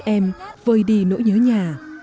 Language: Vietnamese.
các em vơi đi nỗi nhớ nhà